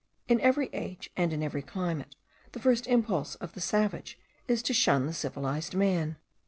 In every age, and in every climate, the first impulse of the savage is to shun the civilized man.